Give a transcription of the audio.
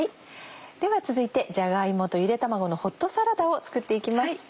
では続いてじゃが芋とゆで卵のホットサラダを作って行きます。